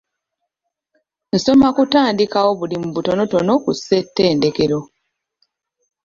Nsoma kutandikawo bulimu butonotono ku ssettendekero.